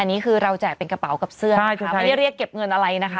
อันนี้คือเราแจกเป็นกระเป๋ากับเสื้อนะคะไม่ได้เรียกเก็บเงินอะไรนะคะ